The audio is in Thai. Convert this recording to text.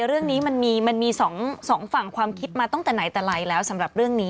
เรื่องนี้มันมีสองฝั่งความคิดมาตั้งแต่ไหนแต่ไรแล้วสำหรับเรื่องนี้